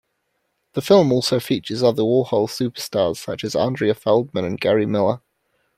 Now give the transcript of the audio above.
The film also features other Warhol superstars such as Andrea Feldman and Geri Miller.